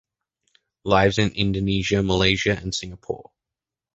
Lives in Indonesia, Malaysia and Singapore.